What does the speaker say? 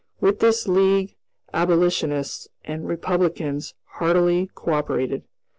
With this League abolitionists and Republicans heartily co operated.